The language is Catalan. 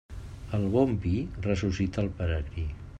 El bon vi ressuscita el pelegrí.